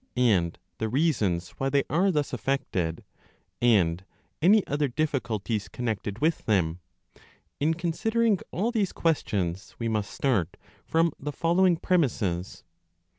794 b DE COLORIBUS the reasons why they are thus affected, and any other difficulties connected with them in considering all these questions we must start from the following premises.